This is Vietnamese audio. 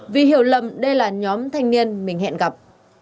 vì hiểu lầm đây là nhóm thanh niên mình hẹn gặp